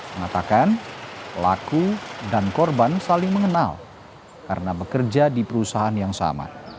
mengatakan pelaku dan korban saling mengenal karena bekerja di perusahaan yang sama